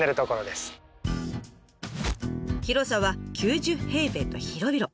広さは９０平米と広々。